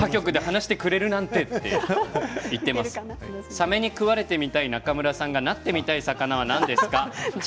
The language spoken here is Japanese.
サメに食われたい中村さんがなってみたい魚は何ですか？